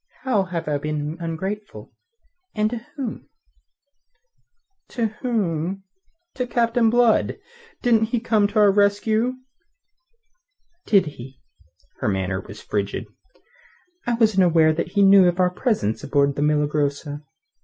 "How have I been ungrateful and to whom?" "To whom? To Captain Blood. Didn't he come to our rescue?" "Did he?" Her manner was frigid. "I wasn't aware that he knew of our presence aboard the Milagrosa."